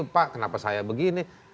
pak kenapa saya begini